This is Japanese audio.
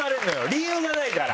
理由がないから。